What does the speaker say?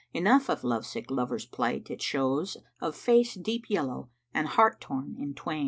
Enough of love sick lovers' plight it shows * Of face deep yellow and heart torn in twain."